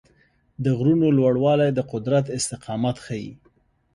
د غرونو لوړوالی د قدرت استقامت ښيي.